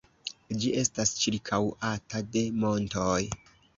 Ĝi estas ĉirkaŭata de montoj.